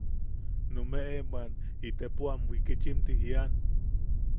Numeʼe bwan itepo am wikichim ti jian.